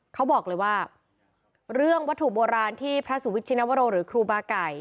เขาบอกเลยว่าเรื่องวัตถุโบราณที่พระสุวิทชินวโรหรือครูบาไก่